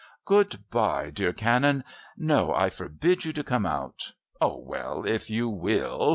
"Good bye, dear Canon. No, I forbid you to come out. Oh, well, if you will.